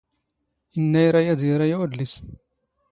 ⵉⵏⵏⴰ ⵉⵔⴰ ⴰⴷ ⵢⴰⵔⴰ ⵢⴰⵏ ⵓⴷⵍⵉⵙ.